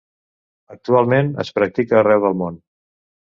Actualment es practica arreu del món.